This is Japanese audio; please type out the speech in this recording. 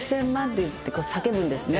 て叫ぶんですね。